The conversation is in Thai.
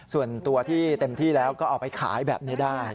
ส่วนตัวที่เต็มที่แล้วก็เอาไปขายแบบนี้ได้